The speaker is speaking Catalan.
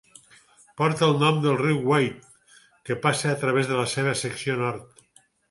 Porta el nom del riu White que passa a través de la seva secció nord.